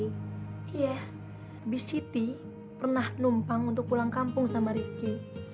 iya bisiti pernah numpang untuk pulang kampung sama rizky